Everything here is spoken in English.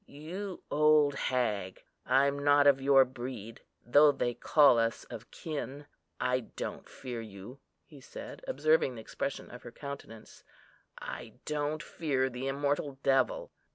You old hag! I'm not of your breed, though they call us of kin. I don't fear you," he said, observing the expression of her countenance, "I don't fear the immortal devil!"